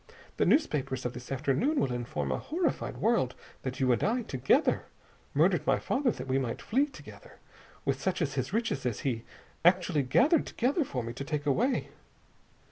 The newspapers of this afternoon will inform a horrified world that you and I, together, murdered my father that we might flee together with such of his riches as he had actually gathered together for me to take away.